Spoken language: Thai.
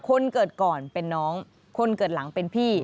คนเกิดก่อนเป็นน้องคนเกิดหลังเป็นพี่